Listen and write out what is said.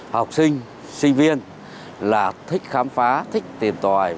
học sinh sinh viên là thích khám phá thích tìm tòi